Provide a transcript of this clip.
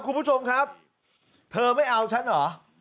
คุณผู้ชมครับเธอไม่เอาฉันเหรอ